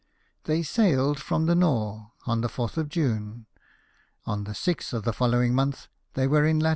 They sailed from the Nore on the 4th of June ; on the 6th of the following month they were in lat.